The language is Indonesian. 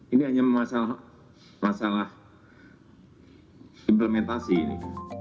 ini hanya masalah implementasi ini